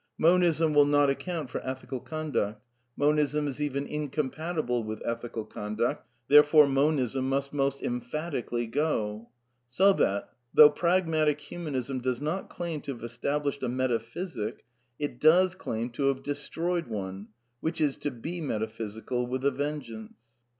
Monism will not account for ethical conduct. Monism is even incompatible with ethical conduct, therefore Monism must most' em Iphatically go. So that, though Pragmatic Humanism does not claim to have established a metaphysic, it does claim to have destroyed one, which is to be metaphysical with a vengeance.